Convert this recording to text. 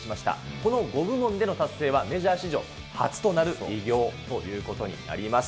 この５部門での達成は、メジャー史上初となる偉業ということになります。